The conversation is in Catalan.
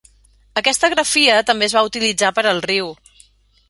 Aquesta grafia també es va utilitzar per al riu.